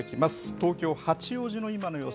東京・八王子の今の様子。